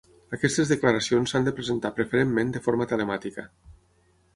Aquestes declaracions s'han de presentar preferentment de forma telemàtica.